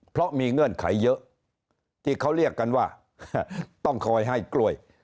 เพราะมีเงื่อนไขเยอะที่เขาเรียกกันว่าต้องคอยให้กล้วย